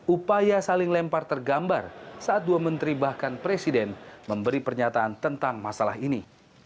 upaya saling lempar tergambar saat dua menteri bahkan presiden memberi pernyataan tentang masalah ini